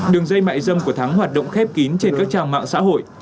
đường dây mại dâm của thắng hoạt động khép kín trên các trang mạng xã hội